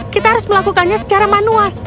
kita harus melakukannya secara manual